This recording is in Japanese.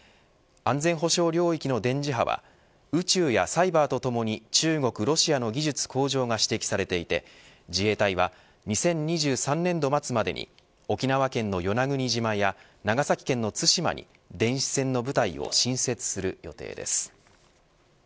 安全保障領域の電磁波は宇宙やサイバーとともに中国、ロシアの技術向上が指摘されていて自衛隊は２０２３年度末までに沖縄県の与那国島や長崎県の対馬に電子戦の部隊を新設する予定です。